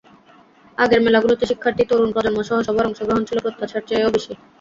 আগের মেলাগুলোতে শিক্ষার্থী, তরুণ প্রজন্মসহ সবার অংশগ্রহণ ছিল প্রত্যাশার চেয়েও বেশি।